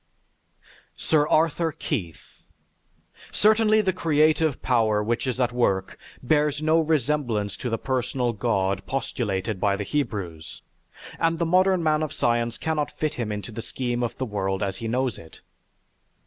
SIR ARTHUR KEITH Certainly the creative power which is at work bears no resemblance to the personal God postulated by the Hebrews, and the modern man of science cannot fit Him into the scheme of the world as he knows it.